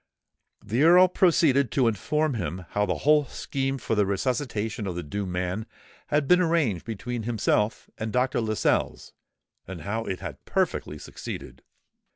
The Earl proceeded to inform him how the whole scheme for the resuscitation of the doomed man had been arranged between himself and Dr. Lascelles, and how it had perfectly succeeded.